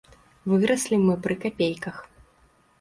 Выраслі мы пры капейках.